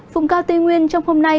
phùng cao tây nguyên trong hôm nay